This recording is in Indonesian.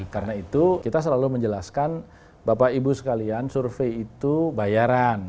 karena itu kita selalu menjelaskan bapak ibu sekalian survei itu bayaran